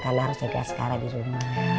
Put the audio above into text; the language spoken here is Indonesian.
karena harus cek askara di rumah